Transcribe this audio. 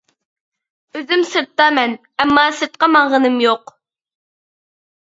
ئۆزۈم سىرتتا مەن، ئەمما سىرتقا ماڭغىنىم يوق.